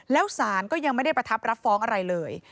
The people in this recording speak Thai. แล้วศาลก็ยังไม่ได้ประทับรับฟ้องอะไรเลย